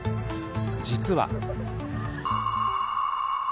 実は。